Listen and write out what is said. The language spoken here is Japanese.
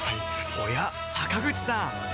おや坂口さん